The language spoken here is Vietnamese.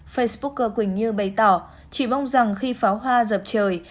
facebooker quỳnh như bày tỏ chỉ mong rằng khi pháo hoa dập trời